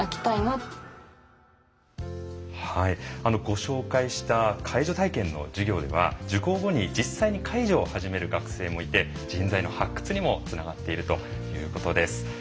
ご紹介した介助体験の授業では受講後に実際に介助を始める学生もいて人材の発掘にもつながっているということです。